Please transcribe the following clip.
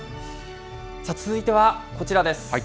続いてはこちらです。